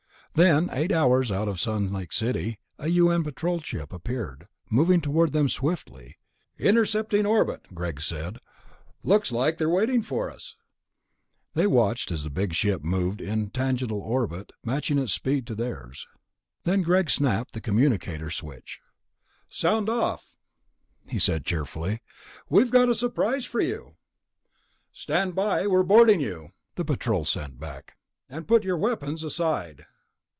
Then, eight hours out of Sun Lake City a U.N. Patrol ship appeared, moving toward them swiftly. "Intercepting orbit," Greg said. "Looks like they were waiting for us." They watched as the big ship moved in to tangential orbit, matching its speed to theirs. Then Greg snapped the communicator switch. "Sound off," he said cheerfully. "We've got a prize for you." "Stand by, we're boarding you," the Patrol sent back. "And put your weapons aside."